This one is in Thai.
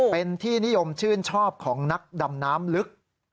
เป็นที่นิยมชื่นชอบของนักดำน้ำลึก